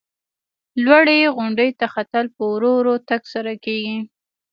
لوړې غونډۍ ته ختل په ورو ورو تګ سره کېږي.